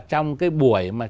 trong cái buổi mà